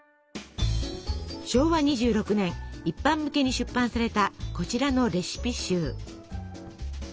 昭和２６年一般向けに出版されたこちらのレシピ集。